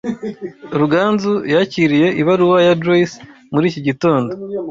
Ruganzu yakiriye ibaruwa ya Joyce muri iki gitondo.